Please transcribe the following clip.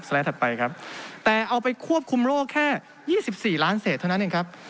ไลด์ถัดไปครับแต่เอาไปควบคุมโรคแค่๒๔ล้านเศษเท่านั้นเองครับ